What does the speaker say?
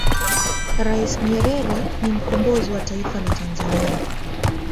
rais nyerere ni mkombozi wa taifa la tanzania